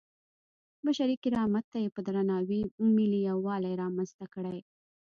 بشري کرامت ته یې په درناوي ملي یووالی رامنځته کړی.